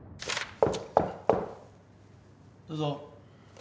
・どうぞ。